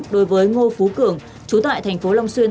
đối với ngô phú cường chú tại tp long xuyên